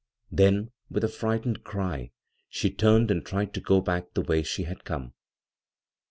Then, with a frightened cry she turned and tried to go back by the way ^le had come.